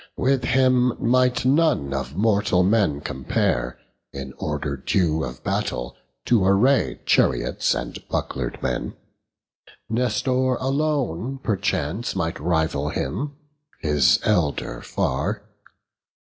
With him might none of mortal men compare, In order due of battle to array Chariots and buckler'd men; Nestor alone Perchance might rival him, his elder far.